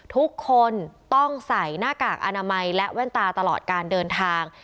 ทุกคนต้องใส่หน้ากากอนามัยและแว่นตาตลอดการเดินทาง